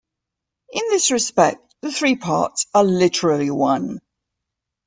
In this respect, the three parts are literally one.